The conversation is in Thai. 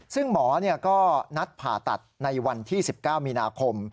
ซึ่งหมอก็นัดผ่าตัดในวันที่๑๙มีนาคม